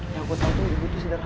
yang aku tahu ibu itu sederhana